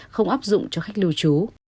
không áp dụng cho khách lưu trú